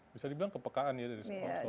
bisa dibilang kepekaan ya dari sponsor